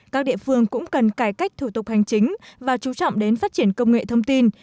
các địa phương cũng cần cải cách thủ tục hành chính và chú trọng đến phát triển công nghệ thông tin